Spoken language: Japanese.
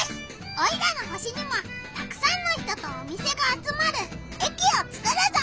オイラの星にもたくさんの人とお店が集まる駅をつくるぞ！